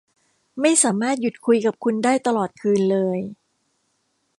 ไม่สามารถหยุดคุยกับคุณได้ตลอดคืนเลย